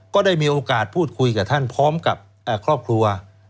ก็ได้มีโอกาสพูดคุยกับท่านพร้อมกับครอบครัว